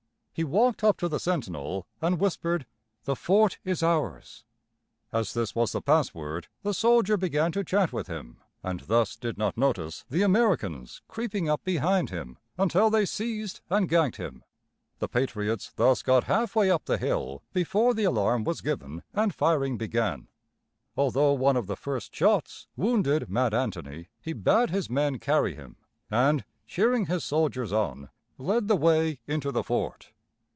He walked up to the sentinel, and whispered: "The fort is ours." As this was the password, the soldier began to chat with him, and thus did not notice the Americans creeping up behind him until they seized and gagged him. [Illustration: The Capture of Stony Point.] The patriots thus got halfway up the hill before the alarm was given and firing began. Although one of the first shots wounded Mad Anthony, he bade his men carry him, and, cheering his soldiers on, led the way into the fort.